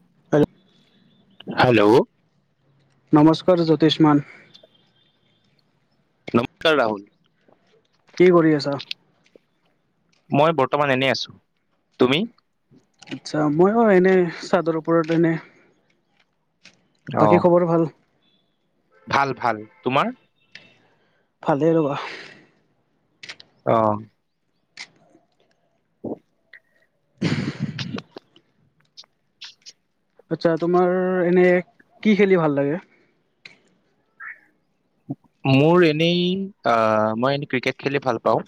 [unintelligible] Hello, নমস্কাৰ জ্যোতিষ্মান। নমস্কাৰ ৰাহুল। কি কৰি আছা? মই বৰ্তমান এনে আছো তুমি? আচ্ছা মই অ', এনেই চাদৰ ওপৰত এনে। অ বাকী খবৰ ভাল? ভাল -ভাল তোমাৰ? ভালে ৰবা। অ', [inaudible] আচ্ছা তোমাৰ, এনে কি খেলি ভাল লাগে? মোৰ এনেই মই এনেই ক্ৰিকেট খেলি ভাল পাওঁ।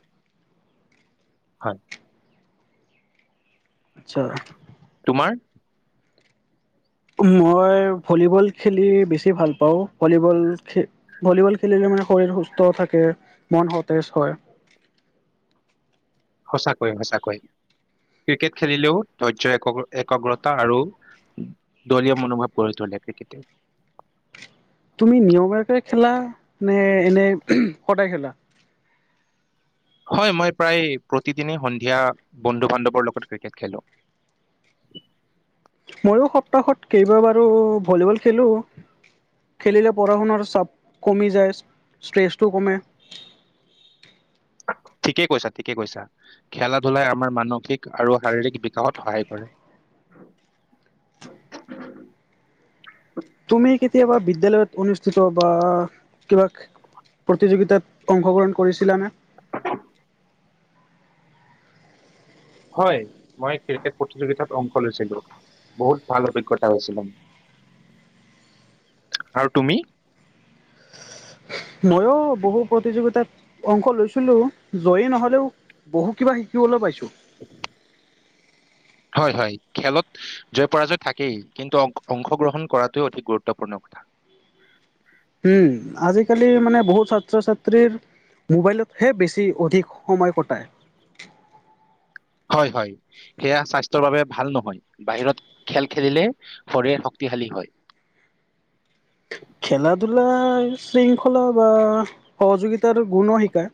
হয়। আচ্ছা, তোমাৰ? মই ভলীবল খেলি বেছি ভাল পাওঁ, ভলীবল খ ভলীবল খেলিলে মানে শৰীৰ সুস্থ থাকে মন সতেজ হয়। সঁচাকৈয়ে -সঁচাকৈয় ক্ৰিকেট খেলিলেও ধৈৰ্য এক একাগ্ৰতা আৰু দলীয় মনোভাৱ গঢ় তলে ক্ৰিকেটে। তুমি নিয়ম একে খেলা নে এনে সদায় খেলা? হয় মই প্ৰায় প্ৰতিদিনেই সন্ধিয়া বন্ধু বান্ধৱৰ লগত ক্ৰিকেট খেলো। ময়ো সপ্তাহত কেইবাবাৰো ভলীবল খেলোঁ, খেলিলে পঢ়া শুনাৰ চাপ কমি যায় ষ্ট্ৰেছটো কমে। ঠিকেই কৈছা -ঠিকেই কৈছা খেলা ধূলাই আমাৰ মানসিক আৰু শাৰীৰিক বিকাশত সহায় কৰে। তুমি কেতিয়াবা বিদ্যালয়ত অনুষ্ঠিত বা কিবা প্ৰতিযোগিতাত অংশগ্ৰহণ কৰিছিলানে? অ', [inaudible] হয় মই ক্ৰিকেট প্ৰতিযোগিতাত অংশ লৈছিলো বহুত ভাল অভিজ্ঞতা হৈছিলো আৰু তুমি? ময়ো বহু প্ৰতিযোগিতাত অংশ লৈছিলো জয়ী নহলেও বহু কিবা শিকিবলৈ পাইছো। [inaudible] হয় -হয় খেলত জয় পৰাজয় থাকেই কিন্তু, অংশগ্ৰহণ কৰাটো অধিক গুৰুত্বপূৰ্ণ কথা। উম', আজিকালি মানে বহুত ছাত্ৰ ছাত্ৰীৰ মোবাইলতহে বেছি অধিক সময় কটায়। হয়- হয় সেয়া স্বাস্থ্যৰ বাবে ভাল নহয় বাহিৰত খেল খেলিলে শৰীৰ শক্তিশালী হয়। খেলা ধূলা শৃংখলা বা সহযোগিতাৰ গুণ শিকায়।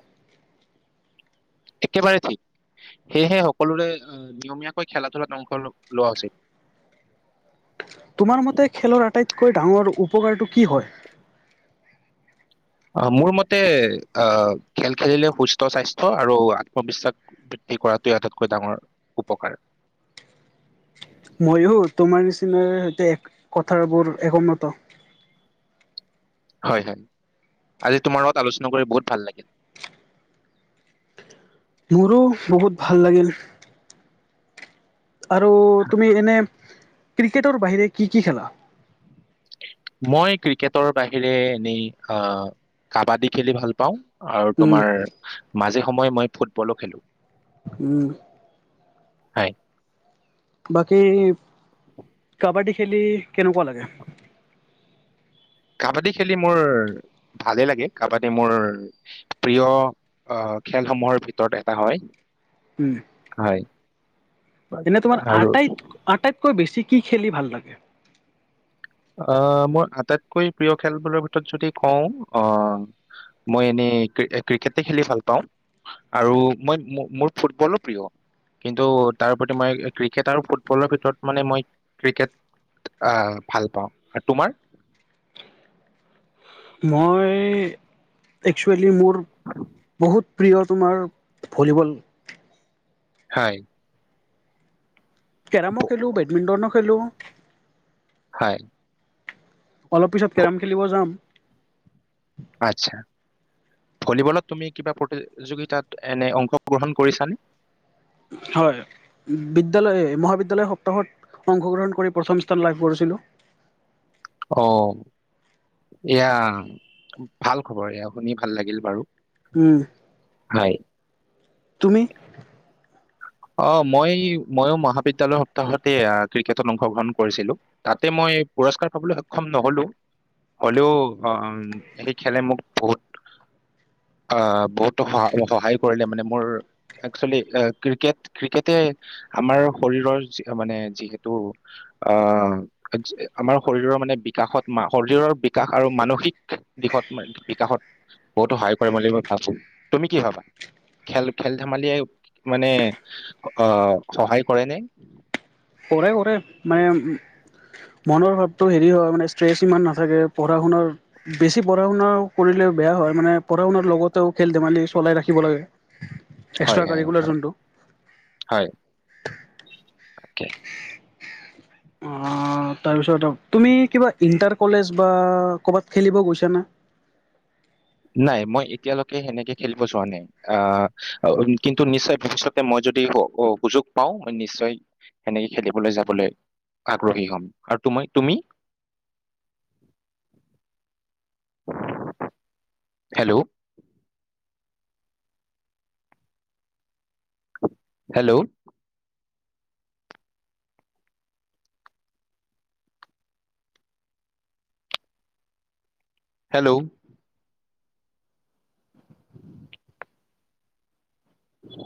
একেবাৰে ঠিক সেয়েহে সকলোৰে নিয়মীয়াকৈ খেলা ধূলাত অংশ লোৱা উচিত। তোমাৰ মতে খেলৰ আটাইতকৈ ডাঙৰ উপকাৰটো কি হয়। আহ মোৰ মতে আহ খেল খেলিলে সুস্থ স্বাস্থ্য আৰু আত্মবিশ্বাস বৃদ্ধি কৰাটোৱে আটাইতকৈ ডাঙৰ উপকাৰ ময়ো তোমাৰ নিচিনাৰ সৈতে কথাবোৰ একমত হয় হয় আজি তোমাৰ লগত আলোচনা কৰি বহুত ভাল লাগিল মোৰো বহুত ভাল লাগিল আৰু তুমি এনে ক্ৰিকেটৰ বাহিৰে কি কি খেলা? মই ক্ৰিকেটৰ বাহিৰে এনেই আহ কাবাডী খেলি ভাল পাওঁ। আৰু উম, তোমাৰ মাজে সময়ে মই ফুটবলো খেলোঁ উম হয় বাকী কাবা্ডী খেলি কেনেকুৱা লাগে? কাবাডী খেলি মোৰ ভালেই লাগে কাবাডী মোৰ প্ৰিয় খেলসমূহৰ ভিতৰত এটা হয়। উম, হয় এনে তোমাৰ আৰু আটাইত আটাইতকৈ বেছি কি খেলি ভাল লাগে। মোৰ আটাইতকৈ প্ৰিয় খেলবোৰৰ ভিতৰত যদি কওঁ মই এনেই ক্ৰিকেট খেলি ভাল পাওঁ আৰু মই মোৰ ফুটবলো প্ৰিয় কিন্তু তাৰোউপৰি মই ক্ৰিকেট আৰু ফুটবলৰ ভিতৰত মানে মই ক্ৰিকেট ভাল পাওঁ আৰু তোমাৰ মই একচোয়েলি মোৰ বহুত প্ৰিয় তোমাৰ ভলীবল। হয়। কেৰমো ভ- খেলো, বেডমিন্টনো খেলেলো। হয়। অলপ পিছত ভ- কেৰম খেলিব যাম। আচ্ছা ভলীবলত তুমি কিবা প্ৰতিযোগিতাত এনে অংশগ্ৰহণ কৰিছানে? হয় বিদ্যালয় মহাবিদ্যালয় সপ্তাহত অংশগ্ৰহণ কৰি প্ৰথম স্থান লাভ কৰিছিলোঁ। অঁ ' এয়া ভাল খবৰ, এয়া শুনি ভাল লাগিল বাৰু। হম। হয়। তুমি? আহ মই ময়ো মহাবিদ্য়ালয়ৰ সপ্তাহতে ক্ৰিকেটত অংশগ্ৰহণ কৰিছিলো, তাতে মই পুৰস্কাৰ পাবলৈ সক্ষম নহলো হলেও আহ সেই খেলে মোক বহুত আহ বহুত সহায় কৰিলে। মানে মোৰ একচুৱেলি। ক্ৰিকেট ক্ৰিকেটে আমাৰ শৰীৰৰ মানে যিহেতু আহ আমাৰ শৰীৰৰ মানে বিকাশত শৰীৰৰ বিকাশ আৰু মানসিক দিশত ম বিকাশত বহুতো সহায় কৰে বুলি মই ভাবো, তুমি কি ভাবা খেল খেল ধেমালিয়? মানে আহ সহায় কৰে নে? কৰে কৰে মানে মনৰ ভাৱটো হেৰি হয় মানে ষ্ট্ৰেছ ইমান নাথাকে পঢ়া শুনাৰ বেছি পঢ়া শুনা কৰিলে বেয়া হয়, মানে পঢ়া শুনাৰ লগতেও খেল ধেমালি চলাই ৰাখিব লাগে। হয় এক্স্ৰা হয় কাৰিকুলাৰ হয় যোনটো। হয় তাকে। তাৰপিছ তুমি কিবা ইণ্টাৰ কলেজ বা ক'বাত খেলিব গৈছানে? নাই মই এতিয়ালৈকে সেনেকে খেলিব যোৱা নাই, আহ কিন্তু নিশ্চয় ভৱিষ্যক মই যদি সুযোগ পাও মই নিশ্চয় সেনেকে খেলিবলৈ যাবলৈ আগ্ৰহী হম আৰু তুমি? হেল্ল' হেল্ল' হেল্ল' উম।